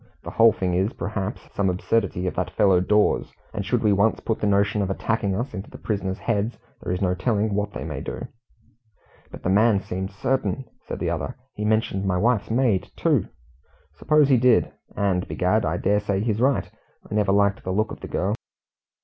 The whole thing is, perhaps, some absurdity of that fellow Dawes and should we once put the notion of attacking us into the prisoners' heads, there is no telling what they might do." "But the man seemed certain," said the other. "He mentioned my wife's maid, too!" "Suppose he did? and, begad, I dare say he's right I never liked the look of the girl.